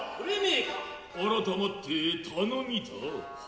改まって頼みとは。